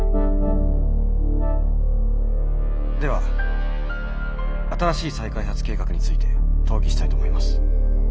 「では新しい再開発計画について討議したいと思います。